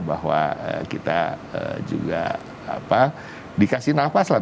bahwa kita juga dikasih nafas lah